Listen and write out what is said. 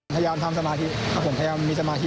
พยายามทำสมาธิครับผมพยายามมีสมาธิ